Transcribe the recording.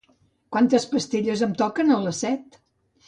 Quantes pastilles em toquen a les set?